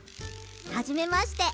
はじめまして。